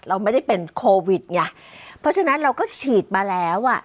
เราไม่ได้เป็นโควิดไงเพราะฉะนั้นเราก็ฉีดมาแล้วอ่ะ